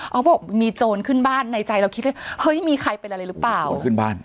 เขาบอกมีโจรขึ้นบ้านในใจเราคิดว่าเฮ้ยมีใครเป็นอะไรหรือเปล่าโจรขึ้นบ้าน